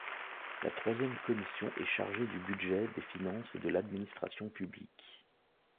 La troisième commission est chargée du Budget, des Finances et de l'Administration publique.